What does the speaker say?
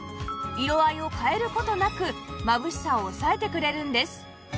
色合いを変える事なくまぶしさを抑えてくれるんです